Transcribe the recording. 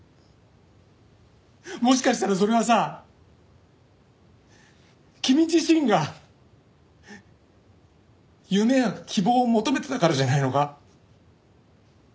もしかしたらそれはさ君自身が夢や希望を求めてたからじゃないのか？